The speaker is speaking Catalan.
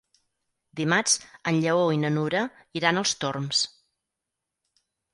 Dimarts en Lleó i na Nura iran als Torms.